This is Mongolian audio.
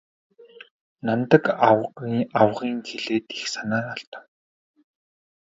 Намдаг авга ийн хэлээд их санаа алдав.